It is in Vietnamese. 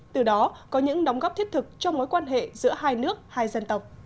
từ đó có những đóng góp thiết thực cho mối quan hệ giữa hai nước hai dân tộc